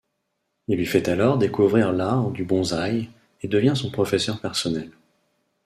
Il lui fait alors découvrir l'art du bonsaï et devient son professeur personnel.